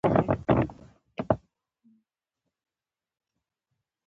زیات ښې سیاسي اړیکې لرلې خو لازمه پانګه نه لرله.